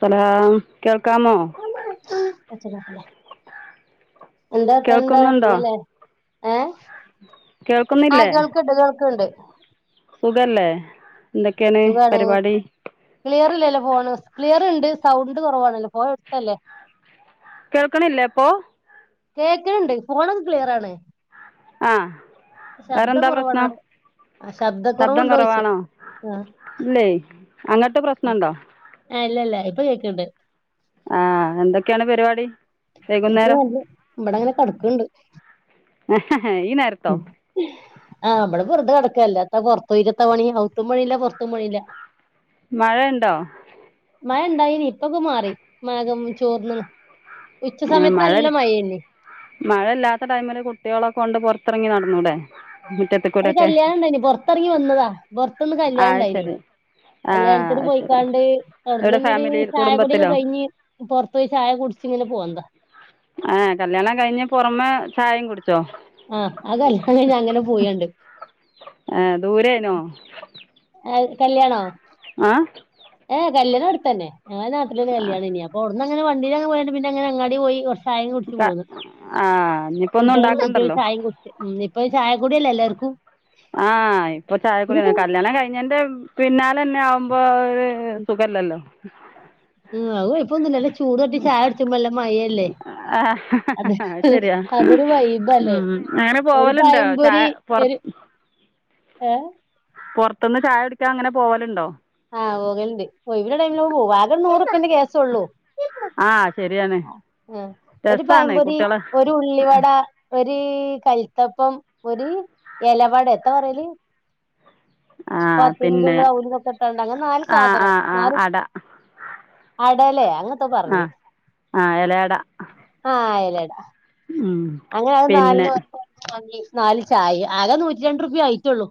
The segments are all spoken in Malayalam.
ഹലോ കേൾക്കാമോ? ഒച്ചണ്ടാക്കല്ലേ എന്താ ഇപ്പെന്താ കേൾക്കുന്നുണ്ടോ സുഖല്ലേ? ഏഹ് ആ കേൾക്കുന്നില്ലേ കേൾക്കുണ്ട് കേൾക്കുണ്ട്. സുഖല്ലേ? എന്തൊക്കെയാണ് സുഖാണ്. പരിപാടി ക്ലിയറില്ലല്ലോ ഫോണ് സ്ക്ലിയർ. ണ്ട് ഉണ്ട് സൗണ്ട് കൊറവാണല്ലോ ഫോയടുത്തല്ലേ? കേൾക്കണില്ലേ അപ്പൊ? കേക്കണുണ്ട്. ഫോൺ ഒക്കെ ക്ലിയറാണ്. ആ വേറെന്താ കുറവാണ് പ്രശ്നം ആഹ് ശബ്ദം ശബ്ദക്കുറവുണ്ടോയ്ച്ച കുറവാണോ ഇല്ലേ അങ്ങട്ട് പ്രശ്നണ്ടോ ആ ഇല്ലില്ല ഇപ്പൊ കേക്കണ്ട് ആ എന്തൊക്കെയാണ് പരിപാടി [unintelligible] വൈകുന്നേരം ഇബടെ ഇങ്ങനെ കട്ക്ക്ണ്ട് അഹ ആ ഇബടെ വെർതെ കട് അല്ലായെ. എത്താ പൊർത്ത് പോയിട്ടെത്താ പണി അയുത്തും പണിയില്ല പൊർത്തും പണിയില്ല മഴ ഇണ്ടോ മഴ ഇണ്ടായിനീ ഇപ്പൊക്കെ മാറി മാകം ചോർന്ന്‌ണ് ആ മഴ മഴയില്ലാത്ത ടൈമില് കുട്ടി ളൊക്കെ കൊണ്ട് പൊറ ത്തി എറങ്ങി നടന്നൂടെ മുറ്റത്ത് ഒര് കൂടെയൊക്കെ കല്യാണണ്ടായിനി പൊർത്തെറങ്ങി വന്നതാ പൊർത്ത്ന്ന് ആ കല്യാണം അത് ഇണ്ടായിനി ശരി ആ കല്യാണത്തിന് അത് ശരി പോയിക്കാണ്ട് എവിടെ അയുട്ന്നെന്നെ ഫാമിലിയിൽ കുടുംബത്തിലോ ആ കല്യാണം കഴിഞ്ഞ പൊറമെ ചായിം കുടി ആ അയ് കല്യാണം കഴിഞ്ഞ് അങ്ങനെ പോയി ആണ്ട് ഏ ദൂരെയാണോ ആ ഏ എ കല്യാണം എട്‌ത്തെന്നെ ഞങ്ങളെ നാട്ടിലെ ഒര് കല്ല്യണെനി അപ്പൊ അയുട് ന്ന അങ്ങനെ വണ്ടിലങ്ങനെ. പോയാണ്ട് പിന്നെ അങ്ങനെ അങ്ങാടി പോയി കൊർ ക്ക ആ ഇഞ്ഞിപ്പ ഒന്നും ഇണ്ടാക്കണ്ടല്ലോ ചായയും കുടിച്ച് ഉം പ്പം ഒരു ചായ കുടിയല്ലെ എല്ലാർക്കും ആ ഇപ്പ ചായകുടിയാണ് കല്യാണം കഴിഞ്ഞേന്റെ പിന്നാലന്നെ ആവുമ്പോ ഉം അത് കൊഴ്പ്പൊന്നും ഇല്ല അല്ലേ ചൂട് തട്ടി ചായ കുട്ച്ചുമ്പല്ലെ നല്ല മഴ അല്ലെ ആ അതെ അത് ശരിയാ അതൊരു വൈബല്ലേ ഉം അങ്ങനെ ഒര് പോവലുണ്ടോ ചായ പയമ്പൊരി പുറ ഒര് ഏ പൊർത്ത്ന്ന് ചായ കുടിക്കാൻ അങ്ങനെ പോവൽ ഇണ്ടോ ആ പോകൽ ഇണ്ട് ഒഴിവ് ഇള്ള ടൈമിൽ ഒക്കെ പോകും ആകെ നൂറുപ്പന്റെ കേസ് ഒള്ളു ആ ശരിയാണ് ആ ഒര് രസമാണ് പഴംപൊരി കുട്ടികളെ ഒര് ഉള്ളിവട ഒര് ഒര് കൽത്തപ്പം ഒര് എലവട എത്താ പറെൽ ആഹ് പത്തിരിന്റെ പിന്നെ ഉള്ളിൽ അയുലൊക്കെ ഇട്ടാണ്ട് അങ്ങനെ നാല് ആഹ് സാധനം ആഹ് ആഹ് ന്നാലും അട അട എലെ അങ്ങനെത്തോ പർഞ്ഞ് ആ എല അട ആ എല അട അങ്ങനെ അയ് പിന്നെ നാൽന്നും [inaudible] വാങ്ങി നാല് ചായ ആകെ നൂറ്റി രണ്ട് റുപ്യ ആയിട്ടൊള്ളു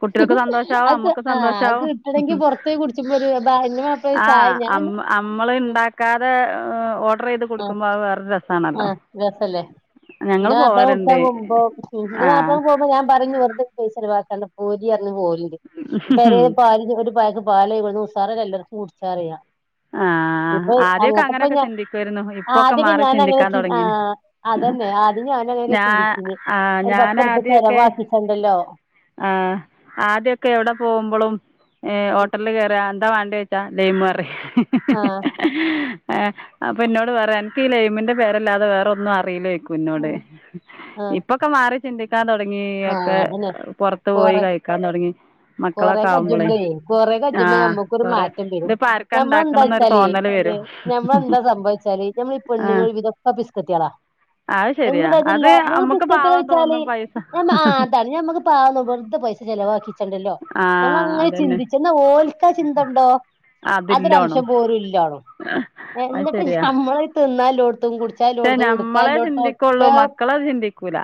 കുട്ടികൾക്ക് സന്തോഷമാവും അത് മ്മക്ക് ആഹ് അത് സന്തോഷമാവും കിട്ടണെങ്കി പുറത്ത് പോയി കുടിച്ചുമ്പോ ഒരു എന്റെ മാപ്പള ആ ചായ ഞാൻ അമ്മള് ഇണ്ടാക്കാതെ ഓർഡർ ചെയ്ത് ആഹ് കൊടുക്കുമ്പോ വേറൊ രസാണ് ആഹ് രസല്ലേ ന്റെ മാപ്പള കുട്ടാൻ പോവലുണ്ട് പോമ്പോന്റെ മാപ്പ ആഹ് പോകുമ്പോ ഞാൻ പറയും വെറുതെ പൈസ ചെലവാക്കെണ്ട പോരി ഇങ്ങ് പോരിന് പെരെ പാലിന് ഇങ്ങട്ട് [unintelligible] പാല് ഇവിടുന്ന് ഉസാറിൽ എല്ലർക്കും കുടിച്ചറിയാം ആഹ് ആദ്യൊക്കെ അങ്ങനെയൊക്കെ ഞാൻ ചിന്തിക്കുവായിരുന്നു ഇപ്പൊക്കെ ആദ്യൊക്കെ മാറി ഞാൻ അങ്ങനെ ചിന്തിക്കാൻ ചി ആ തുടങ്ങി അതന്നെ ആദ്യം ഞാനും അങ്ങനെയൊക്കെ ഞാൻ ചിന്തിച്ചീനി ഒരു ഞാൻ പത്തുറുപ്യ ആദ്യക്കെ ചെലവാക്കിച്ചണ്ടല്ലോ ആഹ് ആദ്യമൊക്കെ എവിടെ പോകുമ്പോഴും ഏഹ് ഹോട്ടലിൽ കയറാ എന്താ വേണ്ടേ [unintelligible] ആഹ് ഏഹ് അപ്പംന്നോട് വേറെ എനിക്ക് ഈ ലൈമിന്റെ പേരല്ലാതെ വേറെ ഒന്നും അറില്ലേ കുന്നോട് ആഹ് ആഹ് ഇപ്പൊക്കെ മാറിട്ടുണ്ട് [inaudible] തുടങ്ങി ഒക്കെ അതന്നെ പുറത്തു പോയി കൊറെ കഴിക്കാൻ തുടങ്ങി കൊറെ കയ്യുമ്മളെ കൊറെ കയുമ്മ ആഹ് നമ്മക്കൊരു കൊറെ മാറ്റം വരും ഇതിപ്പോ ആർക്കാ നമ്മ ഇണ്ടാക്കണന്നൊരു എന്താച്ചാല് തോന്നല് വരും നമ്മളെന്താ സംഭവിച്ചാല് ഞമ്മള് പെണ്ണുങ്ങള് ആഹ് ഒരുവിധം ഒക്ക പിസ്ക്കത്തികളാ അത് ശെരിയാ എന്നുണ്ടായിട്ടല്ല അത് അമ്മക്ക് ബിസ്ക്കറ്റ് പാവം കഴിച്ചാല് തോന്നും പൈസ ഞ അതാണ് ഞമ്മക്ക് പാവം തോന്നും വെറുതെ പൈസ ചിലവാക്കിക്കണ്ടല്ലോ ഞമ്മള ആഹ് അങ്ങനെ അതന്നെ ചിന്തിച്ച് എന്നാ ഓൽക്കാ ചിന്ത ഉണ്ടോ അതില്ലോണം അതൊരംശം പോലും ഇല്ലണോ അത് എന്നിട്ട് ശരിയാ നമ്മളെ തിന്നല്ലോടത്തും കുടി പക്ഷെ ഞമ്മളെ ചിന്തിക്കുള്ളൂ മക്കളെത് ചിന്തിക്കൂല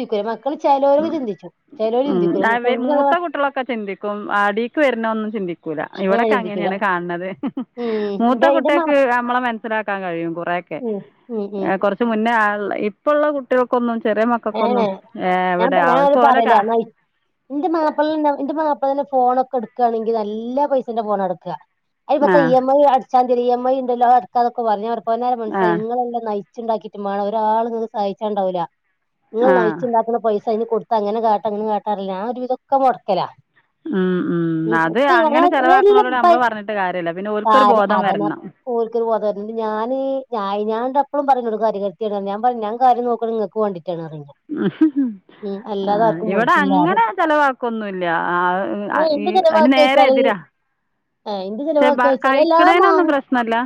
ക്കൂല മക്കൾ ചെലോര് ചന്തിച്ചും ചെലവര് ഉം ചിന്തിക്കൂല അവ തൊണ്ണൂറ് മൂത്ത ശതമാനം കുട്ടികളൊക്കെ ചിന്തിക്കും അടീക്ക് വരുന്ന ഒന്നും ചിന്തിക്കൂല ആ ഇവിടെക്കെ ചിന്തിക്കൂല അങ്ങനെയാണ് കാണുന്നത് ഉം മൂത്ത ഇന്റെ ഇന്റെ മാ കുട്ടികക്ക് നമ്മളെ മനസ്സിലാക്കാൻ കഴിയും കുറേക്കെ ഉം ഉം ഉം കുറച്ച് മുന്നേ ഇപ്പ ഉള്ള കുട്ടികൾക്കൊന്നും ചെറിയ ഏ മക്കക്കൊന്നും ഏ ഞാൻ പറയാൻ പറയല എന്ന എന്റെ മാപ്പിള എന്റെ മാപ്പ ഇപ്പോ തന്നെ ഫോണൊക്കെ എടുക്കാണെങ്കിൽ നല്ല പൈസന്റെ ഫോൺ എടുക്കുക ആ [unintelligible] ഇ എം ഐ അട [unintelligible] ഉണ്ടല്ലോ അതടക്കാന്നൊക്കെ പറഞ്ഞ് പൊന്നാര ആ മൻസാ ഇങ്ങളല്ലേ നയി ച്ച്ണ്ടാക്കീട്ട് മാണം ഒരാള്ങ്ങൾക്ക് സഹായിച്ചാണ്ടാവൂല നിങ്ങൾ ആ നയിച്ച്ണ്ടാക്കുന്ന പൈ സഅയ്ന് കൊടുത്ത അങ്ങനെ കാട്ട അങ്ങനെ കാട്ടാറില്ലേ ഞൻ ഒരുവിതൊക്കെ മുടക്കലാ ഉം ഉം [unintelligible] അത് ന്നെ അങ്ങനെ ചെലവാക്കണോലോട് നമ്മള് പറഞ്ഞിട്ട് കാര്യമില്ല പിന്നെ ഓൽക്കൊരു ബോധം വരണം എപ്പളും പറഞ്ഞോട് കാര്യ കാര്ത്തിയാണ് ഞാൻ പറിം ഞാൻകാര്യം നോക്ണേ ങ്ങക്ക് വേണ്ടി ഉ ആ അല്ലാതെ ആർക്കും ഇവിടെ വേണ്ടിയിട്ടില്ല പറയും. അങ്ങനെ ചെലവാക്കൊന്നുല്ല ആ ഏഹ് എന്ത് അയ്ന് ചെലവാക്ക നേരെ വെച്ചാല് എതിരാ ഏഹ് എന്ത് പക്ഷെ ബ ചെലവാക്ക വെച്ചാല് എല്ലാം കഴിക്കണേ വാങ്ങും നൊന്നും പ്രശ്നല്ല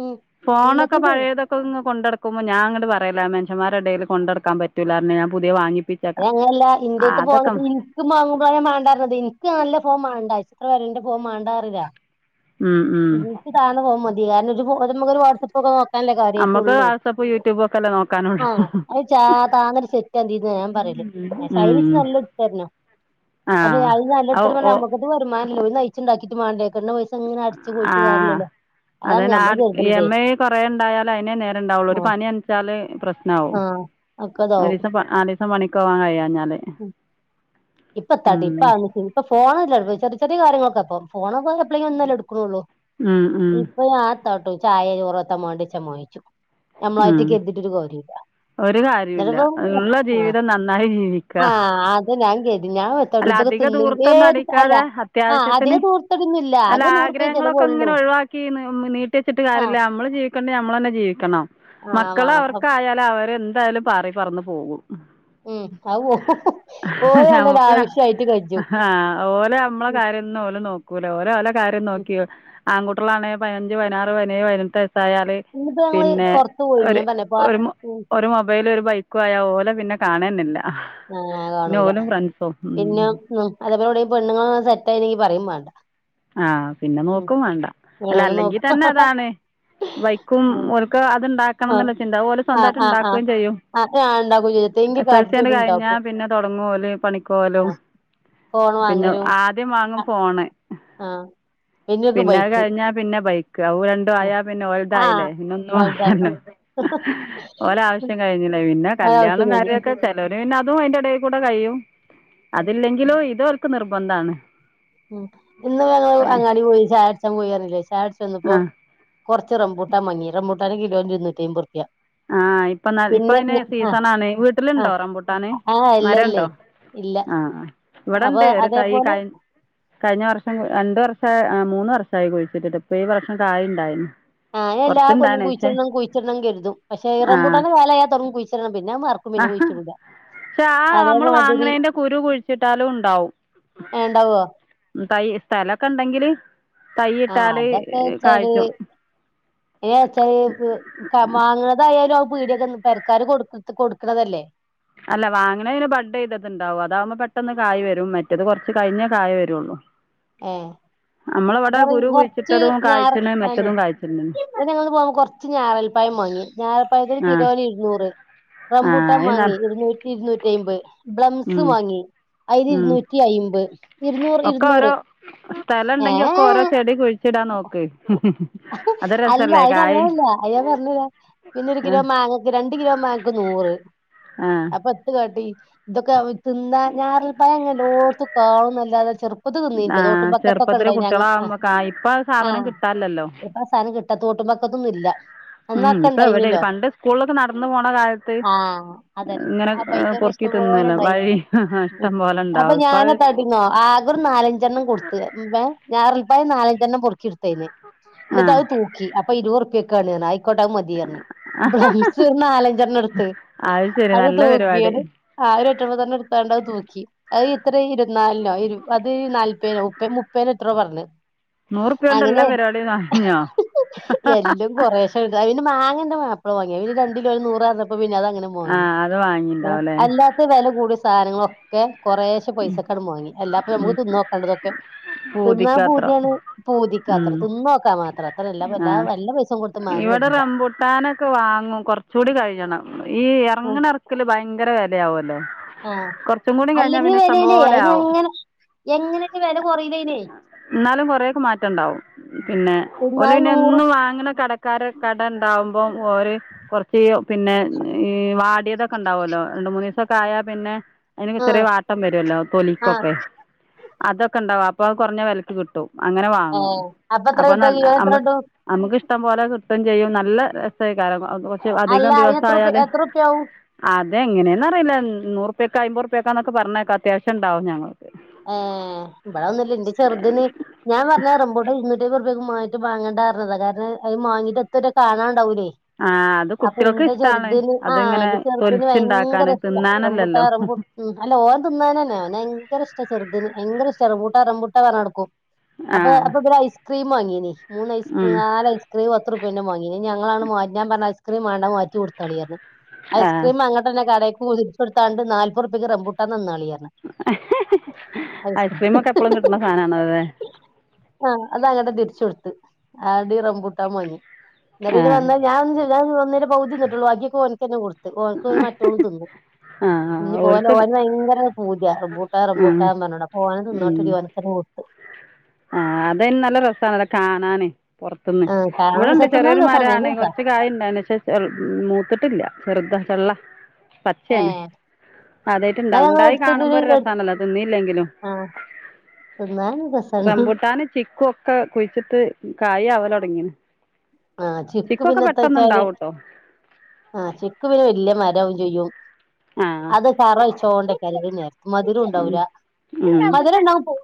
ഉം ഫോണൊക്കെ എല്ലാത്തും പഴയതൊക്കെ ഇങ്ങ് കൊണ്ടട്ക്കു ക്കുമാ ഞാൻ ങ്ങട്ട് പറ ലാ മനുഷ്യന്മാരുടെ ടേൽകൊണ്ടടുക്കാൻ പറ്റൂല്ലാ റഞ്ഞ്ഞാൻ പുതേവാങ്ങി അയ്ന് അങ്ങനല്ല ഇന്റെ ത്തെ ഫോണെക്കെ ഇൻക്ക് മാങ്ങു പോലെ മാണ്ടാറഞ്ഞ തേനി ഇൻക്ക് ഞാ നല്ല ഫോൺ മാങ്ങി ണ്ട ച്ച്ത്ര വെലന്റെ ഫോൺ മാണ്ടാറീല ഇതീക്ക് താന്ന ഫോൺ മതി തിയാനൊരു ബോധം [unintelligible] തല്ലേ നമുക്ക് കാര്യമായിട്ടൊള്ളൂ വാട്സപ്പ് യൂട്യൂബ് ഒക്കെ അല്ലേ ആ നോക്കാനുള്ളൂ അഹ് ചാ താ ന്നൊരു സെറ്റ് തിന്നാ ഞാ പറയല്. അശയ്ന്ച്ച് ഉം നല്ലത് ഇട്ത്തരണം. ആ പഷേ അയ്‌ന് നല്ലെ ഇട് ഓ തരണം പറയാൻ ഓ ഞമ്മക്കൊന്നും വരുമാന ല്ലല്ലോ... ഓല് നയിച്ച്ണ്ടാക്കീട്ട് മാണ്ടേ കിട്ട്ണ പൈസ ഇങ്ങനെ അടിച്ച് ആ പോയിട്ട് കാര്യല്ലല്ലോ അതാണ് ഞമ്മള് അതട് കരുതണതേ എം ഐ കൊറെേ ഉണ്ടായാലൽ അതിന നേരം ഉണ്ടാവുള്ളൂ ഒരു ആഹ് പനി അനിച്ചാല് പ്രശ്നമാവും ആഹ് ഒക്കതാവും ആ ദിവസം [unintelligible] മണിക്കോവാൻ കഴിയാഞ്ഞാല്.. ഇപ്പൊ എത്താടി ഇപ്പ അഒന്നുംഇപ്പൊ ഫോണ് [unintelligible] ചെറി ചെറിയ കാര്യങ്ങ ക്കെ പ്പം ഫോണൊക്കെ എപ്പളേലും ഒന്നല്ലേ ഇടുക്കുണുള്ളൂ. ഉം ഉം [unintelligible] നമ്മളായിട്ട് ഉം കരുതിട്ടൊരു കാര്യമില്ല ഒരു കാര്യല്ല എന്നിട്ടിപ്പോ ഉള്ള ആ ജീവിതം നന്നായി ജീവിക്ക ആ അത് ഞാൻ കരുതി ഞാൻ വെത്തോട്ടു അല്ല ഇതൊക്കെ അധിക തിന്നെങ്കി ദൂർത്തൊന്നും ഏത് അല്ല അടിക്കാതെ ആ അത്യാവശ്യത്തിന് അധികം ദൂർത്തടിയൊന്നുമില്ല അല്ല ആകെ നൂറുപ്യ ആഗ്രഹങ്ങളൊക്കെ ഇങ്ങനെ ചെലവുള്ളൂ ഒഴിവാക്കി നീട്ടി വെച്ചിട്ട് ആ കാര്യമില്ല നമ്മള് ജീവിക്കണ്ടേ നമ്മൾ തന്നെ ജീവിക്കണം ആ മക്കള വേണം അപ്പ- അവർക്കായാല അവരെന്ത് എന്തായാലും പാറി പറന്ന് പോകും ഉം ഔ ഓയ നമുക്ക് ആ ഓലെ മ്മളെ ഉം കാര്യം ഓലെ നോക്കും [unintelligible] കാര്യം ഉം നോക്കിയോ അങ്ങോ [unintelligible] പൈയഞ്ച് പയിനാറ് പൈനേട്ട് സായാല്‌ ഇന്നിപ്പോ ഞങ്ങള് പിന്നെ പുറത്തു പോയി ഒര് ഞാൻ പറഞ്ഞപ്പോ ഒരു ഉം ഒരു മൊബൈല് ഒരു ബൈ ക്കുവായ ഓലെ പിന്നെ കാണ്ന്നെല്ല ഞങ്ങള് കാണൂല പിന്നെ ഉം മ് അതേപോലെ എവിടെ പെണ്ണുങ്ങള് സെറ്റായണെങ്കി പറയും വേണ്ട ആ പിന്നെ ഉം നോക്കും വേണ്ട അല്ല നോക്ക അല്ലെങ്കിൽ തന്നെ അതാണേ വൈക്കും ഓൽക്ക് അത്ണ്ടാക്കണം ആ എന്നുള്ള ചിന്ത ഓല് ആ സ്വന്തമായിട്ട് ആ ണ്ടാ ആ ക്കേംചെയ്യും ആഹ് ആഹ് ഇണ്ടാക്കും ചെയ്യും തെങ്കി എസ് എൽ സി കാട്ടിട്ട് ഓല് കഴിഞ്ഞ ഇണ്ടാക്കും പിന്നെ തുടങ്ങു ഓല് പണിക്ക് പോവലും ആഹ് ഫോണ് പിന്നെ ആദ്യം വാങ്ങും ഫോണ് ആ പിന്നൊക്ക് ബൈക്ക് ബൈ കൗ രണ്ടും ആയാ പിന്നെ ആഹ് ഒലതായില്ലേ പിന്നെ ഒന്നും ഓൽതായി [unintelligible] ഓലെ ആവശ്യം കഴിഞ്ഞില്ലേ പിന്നെ കല്യാണം ഒരാവശ്യം കഴിഞ്ഞു കാര്യൊക്കെ ചെലോര് പിന്നെ അ തും അതിന്റെ എടെകൂടെ കഴിയും അതില്ലെങ്കിലോ ഇതോ ക്ക് നിർബന്ധാണ് മ് ഇന്നും ഞങ്ങൾ അങ്ങാടി പോയി ചായകുടിച്ചാൻ പോയി പറഞ്ഞില്ലേ ചായ കുടിച്ച് ചെന്നപ്പോ ആ കൊറച്ച് റംബൂട്ടാൻ വാങ്ങി റംബൂട്ടാന് കിലോ ഇരുന്നൂറ്റമ്പയ് റു ആ ഇപ്പന്നാൽ ഇപ്പൊ പിന്നെ ആഹ് സീസണാന്നെ വീട്ടിലുണ്ടോ ആഹ് റംമ്പൂട്ടാന് ആഹ് ഇല്ലല്ലേ മരണ്ടോ ഇല്ല ആ അപ്പൊ ഇവിടെണ്ട് ഒരു തൈ അതേപോലെ കഴി കഴിഞ്ഞ വർഷ രണ്ട് വർഷ മൂന്ന് വർഷമായി കുഴിച്ചിട്ടിട്ട് ഇപ്പ ഈ വർഷം കായ്ണ്ടായിന് ഞാനെല്ലാ കൊല്ലും കുഴിച്ചിടണം കുഴിച്ചിടണം കരുതും പക്ഷെ ആ റംബൂട്ടാന്റെ കാലായാ തൊടങ്ങും കുഴിച്ചിടണം പിന്നെ അത് മറക്കും ആ പിന്നെ കുഴിച്ചിടൂല ആ നമ്മള് അതേമാതിരി വാങ്ങണേന്റെ കുരു കുഴിച്ചിട്ടാലും ഉണ്ടാവും ഏഹ് ഇണ്ടാവോ തൈ സ്ഥലൊക്കെണ്ടെങ്കില് ആ അതൊക്കെ വെച്ചാല് കായ്ച്ചും എ വെച്ചായ് ക മാങ്ങ എന്തായാലും ആ പീടിയൊക്കെ പെരക്കാര് കൊടു കൊടുക്കണതല്ലേ അല്ല വാങ്ങണേന് ബഡ് ചെയ്തത്ണ്ടാവും അതാവുമ്പോ പെട്ടെന്ന് കായ വരും മറ്റത് കൊറച്ച് കഴിഞ്ഞേ കായ വരുള്ളൂ ഏ നമ്മളിവിടെ അപ്പൊ കുരു കൊറച്ച് കുഴിച്ചിട്ടതും ഞാർ കായ്ച്ച്ണ് അനെ മറ്റതും കായ്ച്ച്ണ് ഞങ്ങന്ന് പോകുമ്പ കൊറച്ച് ഞാവൽപ്പയം വങ്ങി ഞാവൽപ്പഴത്തിന് ആഹ് കിലോന് ഇരുന്നൂറ് റംമ്പൂട്ടാൻ ആഹ് വാങ്ങി അത് ഇരുന്നൂറ്റി ഇരുന്നൂറ്റിയമ്പയ് ബ്ലംസ് ഉം വാങ്ങി ആയിന് ഉം ഇരുന്നൂറ്റി അയമ്പ് ഇരുന്നൂറ് ഇരുന്നൂറ് സ്ഥലണ്ടെങ്കി ഒക്കെ ഓരോ ഏഹ് ചെടി കുഴിച്ചിടാൻ നോക്ക് അത് അല്ല രസല്ലേ അയിന് കായ് അങ്ങനല്ല അയ്യ് പറഞ്ഞുരാ പിന്നെ ഒരു കിലോ ആഹ് മാങ്ങക്ക് രണ്ട് കിലോ മാങ്ങക്ക് നൂറ് ആഹ് ആ പത്ത് അതെ ഇതൊക്കെ തിന്നാ ഞാവൽ പഴമങ്ങനെ വല്ലോടത്തും കാണാനില്ല ചെറുപ്പ ആ ചെറുപ്പത്തില് കുട്ടികളാകുമ്പോ കായ് ഇപ്പം ആ സാധനം കിട്ടാനിലല്ലോ ഇപ്പോ ആ സാധനം കി തോട്ടുവക്കത്തൊന്നുല്ല ഉം അന്നൊക്കെ ഇപ്പൊ എവിടെ ഉണ്ടായിനില്ലോ പണ്ട് സ്കൂളിലൊക്കെ നടന്നു പോണ കാലത്ത് ആ അതന്നെ ഇങ്ങനെ ആ വയിക്കൊക്കെ പൊറുക്കി ഇഷ്ടം പോലെ തിന്നല്ലോ ഇണ്ടായിന്ന് വഴി ഉം ഇഷ്ടം പോലെ അപ്പൊ ഉണ്ടാവും ഇപ്പ ഞാന് അത് അടങ്ങോ ആകൊരു നാലഞ്ചെണ്ണം കൊടുത്ത് ഞാവ യി നാലഞ്ചണ്ണം പൊറുക്കിയെടുത്തെനെ എന്നിട്ട് ആഹ് അത് തൂക്കി അപ്പൊ ഇരുപത് റുപ്യയെ ക്കണ് അയി കൊട അത് മതിയെന്നു ബ്ലംസ് നാലഞ്ചെണ്ണം എടുത്ത് ശരി അത് നല്ല പരിപാടി തൂക്കിയല് ആ ഒരു എട്ട്ഒൻപതെണ്ണം എടുത്താണ്ട് അത് തൂക്കി അത് ഇത്ര ഇരുനാലിനോ ഇരു അത് നാല്പേനോ മുപ്പ മുപ്പേനോ എത്രനോ പറഞ്ഞ് നൂറുപ്യ കൊണ്ട്ല്ലാം വര എല്ലാം കൊറേശ്ശെയുണ്ട് പിന്നെ മാങ്ങന്റെ മാ അത് വാങ്ങിയോ പിന്നെ രണ്ടു കിലോ നൂറാ പിന്നെ അതങ്ങനെ വാങ്ങി ആഹ് അത് വാങ്ങിണ്ടാവുംല്ലേ അല്ലാത്ത വെല കൂടിയ സാധനങ്ങളൊ ഒക്കെ കൊറേശെ പൈസക്കണ്ട് വാങ്ങി എല്ലാപ്പം നമുക്ക് തിന്ന് നോക്കേണ്ടതൊക്കെ തിന്നാൻ പൂതിയാണ് പൂതിക്ക് അത്ര ആ പൈസയും കൊടുത്ത് മാങ്ങാൻ ഇവിടെ കജ്ജൂല റമ്പുട്ടാനൊക്കെ വാങ്ങും കൊറച്ച് കൂടി കഴിയണം ഈ അങ്ങനെ എറക്കല് ഭയങ്കര വെലയാവും അല്ലേ ആ അല്ലെങ്കിൽ വ കൊറയല് പോലെ അയില് ആവും എങ്ങനെ എങ്ങനെ വെല കൊറയില് അയിന് എന്നാലും കൊറേയൊക്കെ മാറ്റം ഉണ്ടാവും പിന്നെ ഓല് പിന്നെ ഒന്നും വാങ്ങണ കട ക്കാര് കട ഉണ്ടാവുമ്പോം ഓര് കൊറയ് ചെയ്യും പിന്നെ ഈ വാ പൊട്ടിയതൊക്കെണ്ടാവുല്ലോ രണ്ട് മൂന്ന് ദിവസൊക്കെ ആയാ പിന്നെ അതിന് ആ ചെറിയ വാട്ട ട്ടം വരൂല്ലോ ആ തൊലിക്കൊക്കെ അതൊക്കെ ഇണ്ടാവും അപ്പ അത് കൊറഞ്ഞ വെലക്ക് കിട്ടും അങ്ങനെ വാങ്ങും ഏഹ് എത്ര അപ്പൊ കിട്ടും നല്ല കിലോ എത്ര നമുക്ക് കിട്ടും നമ്മുക്ക് ഇഷ്‌ട ഷ്ടം പോലെ കിട്ടുവയും ചെയ്യും നല്ല രസായിക്കാണും അല്ല എത്രൂപ് എത്രൂപ്യഉം തെ എങ്ങനെന്ന് അറിയില്ല ന്നൂറുർപ്യക്ക് അയ്ബൊർപ്യേക്കാന്നെക്കെ ക് പറഞ്ക്കാത് അത്യാവ്ശ്യംണ്ടാകും ങ്ങങ്ങൾ ആ ഇബട അ ഒന്നുല്ല്യ ന്റ ചെർതിന് ഞാൻ പർഞ്ഞ് റെമ്പുട്ടൻ ഇരുന്നൂറ്റി അയ്ബ്ർപ്യേക് മാങി ട്ട് മാങ്ങണ്ടാ പർഞതാ കാരണം അയ് മാങ്ങീട്ട് എത്തുറ്റെ കാണാൺ ണ്ടാവുലെയ് ആഹ് അത് അപ്പൊ കുട്ടികൾക്ക് ഇന്റെ ഇഷ്ടാണ് ചെർതിന് ആഹ് അതിങ്ങനെ ഇന്റെ ചെർതിന് ഭയങ്കര തൊലിച്ചുണ്ടാക്കാന് ഇഷ്ടാ റെബുട്ട തിന്നാനല്ലല്ലോ റെബു മ് അല്ല ഓൻ തിന്നാനന്നെ ഓന് വയങ്കര ഇഷ്ടാ ഇതിന് വയങ്കര ഇഷ്ടാ റെമ്പുട്ട റെമ്പുട്ട പർഞ് ന്നടക്കും അപ്പെ ആഹ് അപ്പ പിന്ന ഐസ്ക്രീം വാങ്ങീനി മൂന്ന് ഐസ് ഉം ന്നാല് ഐസ് ക്രീം പത്തുർപ്യേൻ്റ മാങ്ങീനി ഞ് അങളാണ് മ ഞാം പർഞ്ഞ് ഐസ് ക്രീം മാണ്ട അയ് മാറ്റി കൊടുത്തളീ പർഞ് ആഹ് ഐസ്ക്രീം അങ്ങട്ടന്നെ കടേക് കൊ തിരിച്ചൊടുത്താണ്ട് ന്നാൽപ്പൊർപ്യക് റെമ്പൂട്ടാൻ തെന്നാളി ളീ അർഞ് ഐസ്ക്രീമൊക്കെ എപ്പളും കിട്ട്ണ സാദനാണല്ലെലെ [unintelligible] ആദ്യം റെബുട്ടാം മാങ്ങി ന്നട്ട് പിന്ന ആഹ് വന്ന് ഞാം ചൊയ് ഞാ ഒന്നിൻ്റെ പൗതി ന്ന്ട്ടൊള്ളൂ ബാക്കിഒക്കെ ഓൻകെന്നെ കൊട് ഓൽക്ക്ള്ളയ് മറ്റോളും തിന്നും ഇഞ്ഞ് ആഹ് പൊ ഓലെ ഓൽക്ക് ഓന് വയങ്കര പൂതിആ ഉം [unintelligible] ഓൻ തിന്നോട്ടെടി ഓൻകെന്നെ കൊട്ത്ത് ആ അതയ്ന് നല്ല രസാണല്ലോ കാണാന് പൊർത്ത്ന്ന് ആഹ് കാണാൻ ഇവ്ടെണ്ട് രസാ തിന്നാൻ ചെറിയൊരു മരാണ് രസാണ് കൊർച്ച് കായ്ണ്ടാണ് ഷെ ചെള്ള് മൂത്ത്ട്ടില്ല ചെർത ചെള്ളാ ഏ ന്നാല് ഇണ്ടാവ്ണ് ഇണ്ടായി ങ്ങളെട്ത്ന്നൊര് കാണുമ്പോ ഒരു എട് രസാണല്ലോ തിന്നിയില്ലെങ്കിലും ആ തിന്നാനും രസ റെമ്പുട്ടാന് ചിക് കൊക്കെ കുയ്ച്ച്ട്ട് കായാവല് ഒട്ങ്ങീണ് ആ ചിക്കു പിന്ന ത്താ വെച്ചാല് ആ ചിക്കു പിന്നെ വെല്ല്യ മരാവും എയ്യും ആഹ് അത് കറൊയ്ച്ചൊണ്ട്ക്കും അല്ലെങ്കി ഉം മധുരുണ്ടാവൂല ഉം മദ് രണ്ടാവും പൊ [inaudible]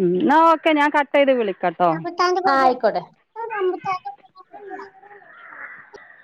ഉം ന്നാ ഓക്കെ ഞാ കട്ടെയ്ത് വിളി [unintelligible] ആ പോട്ടെ ആ